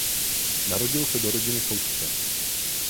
Narodil se do rodiny soudce.